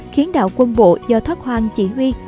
khiến đạo quân bộ do thoát hoàng chỉ huy